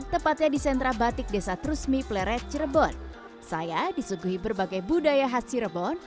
tepatnya di sentra batik desa trusmi pleret cirebon saya disuguhi berbagai budaya khas cirebon